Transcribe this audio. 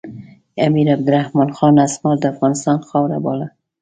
امیر عبدالرحمن خان اسمار د افغانستان خاوره بلله.